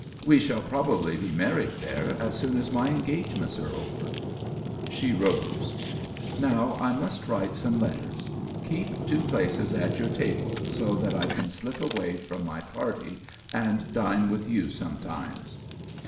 We shall probably be married there as soon as my engagements are over." She rose. "Now I must write some letters. Keep two places at your table, so that I can slip away from my party and dine with you sometimes."